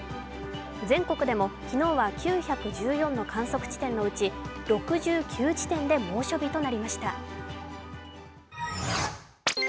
全国でも昨日は９１４の観測地点のうち６９地点で猛暑日となりました。